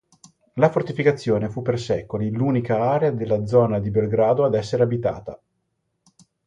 La fortificazione fu per secoli l'unica area della zona di Belgrado ad essere abitata.